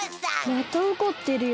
またおこってるよ。